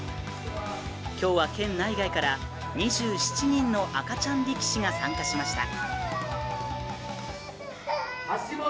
今日は県内外から２７人の赤ちゃん力士が参加しました。